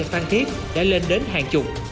vật hiếp đã lên đến hàng chục